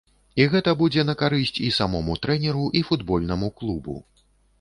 І гэта будзе на карысць і самому трэнеру, і футбольнаму клубу.